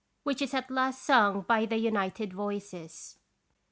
which is at last sung by the united voices.